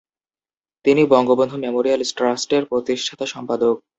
তিনি বঙ্গবন্ধু মেমোরিয়াল ট্রাস্টের প্রতিষ্ঠাতা সম্পাদক।